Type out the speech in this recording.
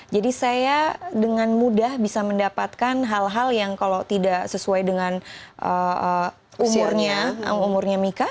jadi saya dengan mudah bisa mendapatkan hal hal yang kalau tidak sesuai dengan umurnya mika